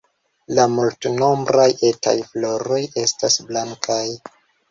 La multnombraj etaj floroj estas blankaj.